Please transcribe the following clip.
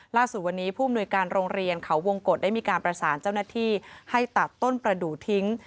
ล่าสุดวันนี้ผู้อำนวยการโรงเรียนเขาวงกฎได้มีการประสานเจ้าหน้าที่ให้ตัดต้นประดูกทิ้ง